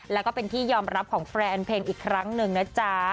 แล้วก็เป็นที่ยอมรับของแฟนเพลงอีกครั้งหนึ่งนะจ๊ะ